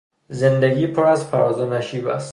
زندگی پر از فراز و نشیب است.